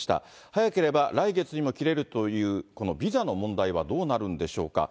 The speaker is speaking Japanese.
早ければ来月にも切れるというこのビザの問題はどうなるんでしょうか。